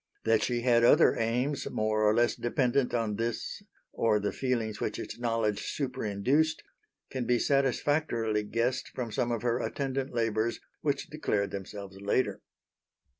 That she had other aims, more or less dependent on this or the feelings which its knowledge superinduced, can be satisfactorily guessed from some of her attendant labours which declared themselves later.